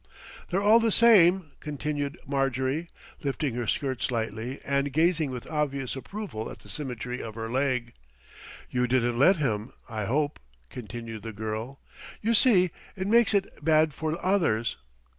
"They're all the same," continued Marjorie, lifting her skirt slightly and gazing with obvious approval at the symmetry of her leg. "You didn't let him, I hope," continued the girl. "You see, it makes it bad for others."